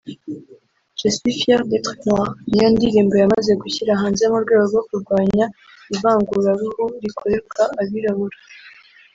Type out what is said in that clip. Je Suis fier d’etre noir’ niyo ndirimbo yamaze gushyira hanze mu rwego rwo kurwanya ivanguraruhu rikorerwa abirabura